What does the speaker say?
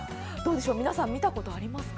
皆さん、見たことありますか？